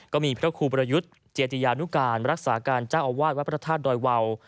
ก็มีพระครูประยุทธ์เจติยานุการรักษาการเจ้าอาวาสวัดพระธาตุดอยวาว